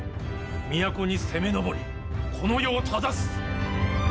都に攻め上りこの世を正す。